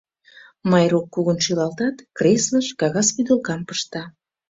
Майрук кугун шӱлалтат, креслыш кагаз вӱдылкам пышта: